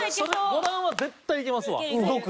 ５段は絶対いけますわ。